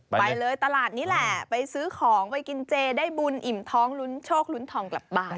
ไปเลยตลาดนี้แหละไปซื้อของไปกินเจได้บุญอิ่มท้องลุ้นโชคลุ้นทองกลับบ้าน